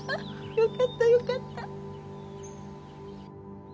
よかったよかった。